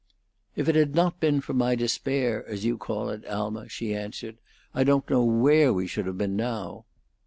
"If it had not been for my despair, as you call it, Alma," she answered, "I don't know where we should have been now."